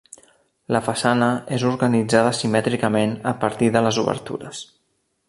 La façana és organitzada simètricament a partir de les obertures.